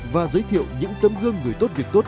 và giới thiệu những tấm gương người tốt việc tốt